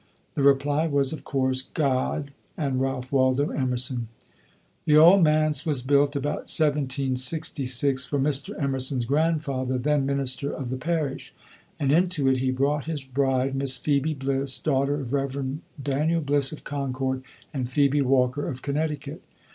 The reply was, of course, "God and Ralph Waldo Emerson." The Old Manse was built about 1766 for Mr. Emerson's grandfather, then minister of the parish, and into it he brought his bride, Miss Phebe Bliss (daughter of Rev. Daniel Bliss, of Concord, and Phebe Walker, of Connecticut).